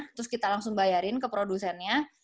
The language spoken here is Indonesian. terus kita langsung bayarin ke produsennya